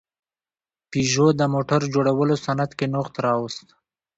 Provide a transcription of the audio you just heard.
پيژو د موټر جوړولو صنعت کې نوښت راوست.